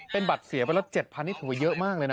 เป็นบัตรเสียไปแล้ว๗๐๐นี่ถือว่าเยอะมากเลยนะ